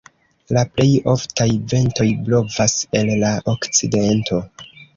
La plej oftaj ventoj blovas el la okcidento.